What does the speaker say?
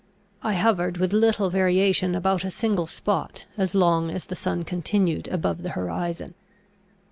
I hovered with little variation about a single spot, as long as the sun continued above the horizon.